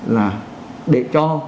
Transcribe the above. là để cho